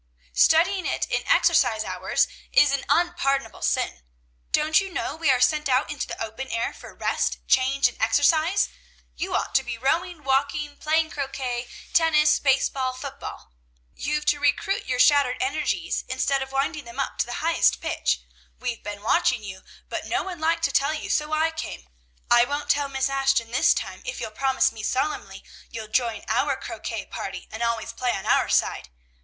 "Studying it in exercise hours is an unpardonable sin. Don't you know we are sent out into the open air for rest, change, exercise? You ought to be rowing, walking, playing croquet, tennis, base ball, football. You've to recruit your shattered energies, instead of winding them up to the highest pitch. We've been watching you, but no one liked to tell you, so I came. I won't tell Miss Ashton this time, if you'll promise me solemnly you'll join our croquet party, and always play on our side!